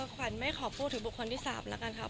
ขวัญไม่ขอพูดถึงบุคคลที่๓แล้วกันครับ